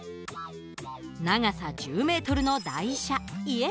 長さ１０ｍの台車いえ